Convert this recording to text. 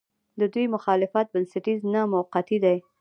د دوی مخالفت بنسټیز نه، موقعتي دی.